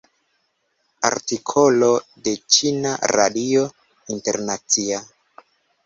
Artikolo de Ĉina Radio Internacia.